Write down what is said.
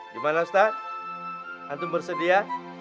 gimana ustaz antum bersedia